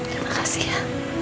terima kasih ya